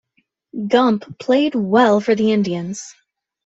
Gump played well for the Indians.